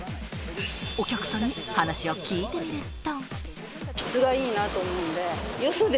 お客さんに話を聞いてみると。